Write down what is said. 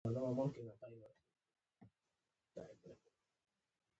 کله چې لېسې ته ورسېد د اورېدو هڅه یې وکړه